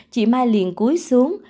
chị mai liền cúi xuống